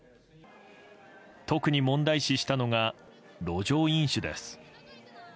特に問題視したのが路上飲酒です。